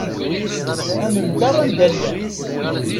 Amendeṛ anda llant.